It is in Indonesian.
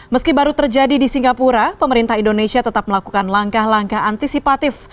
meski baru terjadi di singapura pemerintah indonesia tetap melakukan langkah langkah antisipatif